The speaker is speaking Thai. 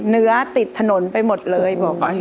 เนื้อติดถนนไปหมดเลย